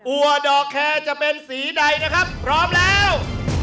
ัวดอกแคร์จะเป็นสีใดนะครับพร้อมแล้ว